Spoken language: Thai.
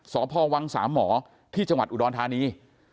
สพวังสามหมอที่จังหวัดอุดรธานี